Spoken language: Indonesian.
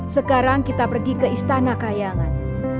sekarang kita pergi ke istana kayangan